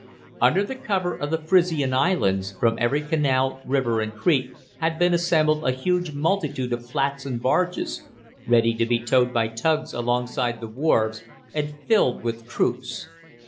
Under the cover of the Frisian Islands, from every canal, river, and creek had been assembled a huge multitude of flats and barges, ready to be towed by tugs alongside the wharves and filled with troops.